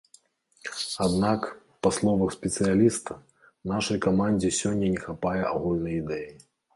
Аднак, па словах спецыяліста, нашай камандзе сёння не хапае агульнай ідэі.